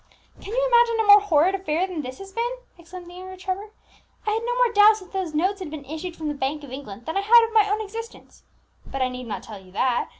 "Can you imagine a more horrid affair than this has been?" exclaimed the younger Trevor. "I had no more doubt that those notes had been issued from the Bank of England than I had of my own existence. But I need not tell you that.